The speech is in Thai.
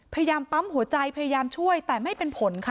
พยายามปั๊มหัวใจพยายามช่วยแต่ไม่เป็นผลค่ะ